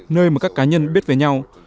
nơi mà các cá nhân biết về nhau